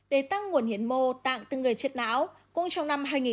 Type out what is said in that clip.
để tăng nguồn hiến mô tạng từ người chết não cũng trong năm hai nghìn ba